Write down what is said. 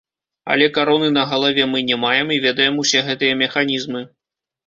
Але кароны на галаве мы не маем і ведаем усе гэтыя механізмы.